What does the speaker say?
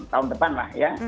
tahun depan lah ya